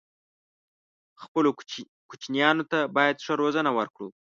خپلو کوچنيانو ته بايد ښه روزنه ورکړو